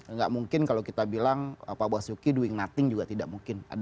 nggak mungkin kalau kita bilang pak basuki doing nothing juga tidak mungkin